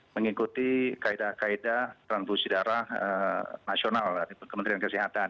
mengikuti kaedah kaedah transfusi darah nasional dari kementerian kesehatan